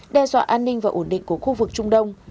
đe dọa an ninh và ổn định của khu vực trung đông